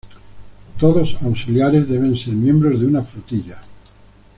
Todos Auxiliares deben ser miembros de una Flotilla.